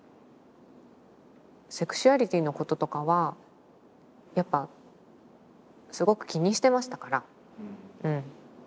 セクシュアリティのこととかはやっぱすごく気にしてましたからうん。